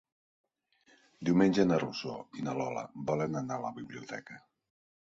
Diumenge na Rosó i na Lola volen anar a la biblioteca.